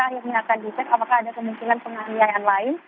akhirnya akan dicek apakah ada kemungkinan penganiayaan lain